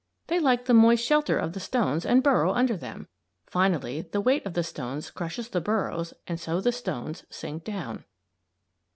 They like the moist shelter of the stones and burrow under them. Finally the weight of the stones crushes the burrows, and so the stones sink down.